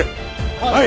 はい！